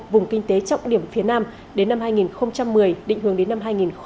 vùng kinh tế trọng điểm phía nam đến năm hai nghìn một mươi định hướng đến năm hai nghìn hai mươi